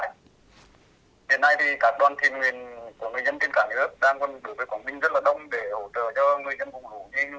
hiện nay thì các đoàn thiên nguyên của người dân trên cả nước đang được với quảng bình rất là đông để hỗ trợ cho người dân vùng lũ như nguồn phẩm hàng hóa